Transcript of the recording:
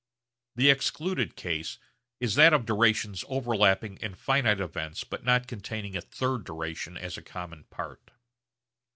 The excluded case is that of durations overlapping in finite events but not containing a third duration as a common part.